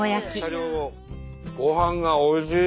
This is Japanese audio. ごはんがおいしい。